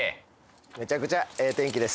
めちゃくちゃええ天気です